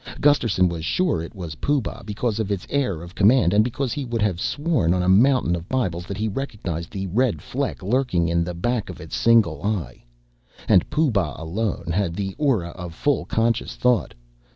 Gusterson was sure it was Pooh Bah because of its air of command, and because he would have sworn on a mountain of Bibles that he recognized the red fleck lurking in the back of its single eye. And Pooh Bah alone had the aura of full conscious thought.